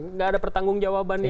nggak ada pertanggung jawaban yang